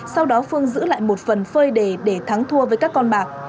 sau đó phương giữ lại một phần phơi đề để thắng thua với các con bạc